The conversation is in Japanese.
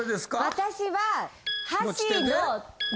私は。